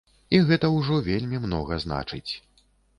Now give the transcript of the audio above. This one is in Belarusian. І гэта ўжо вельмі многа значыць.